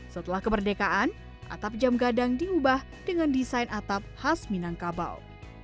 setelah kemerdekaan atap jam gadang diubah dengan desain atap khas minangkabau